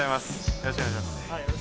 よろしくお願いします。